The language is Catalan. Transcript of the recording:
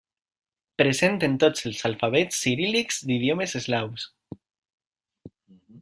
Present en tots els alfabets ciríl·lics d'idiomes eslaus.